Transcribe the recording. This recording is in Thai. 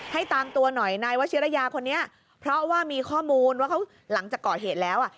ตามตัวหน่อยนายวัชิรยาคนนี้เพราะว่ามีข้อมูลว่าเขาหลังจากก่อเหตุแล้วอ่ะ